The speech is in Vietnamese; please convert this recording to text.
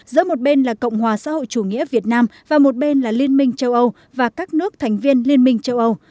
giữa một bên là cộng hòa xã hội chủ nghĩa việt nam và một bên là liên minh châu âu và các nước thành viên liên minh châu âu